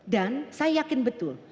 dan saya yakin betul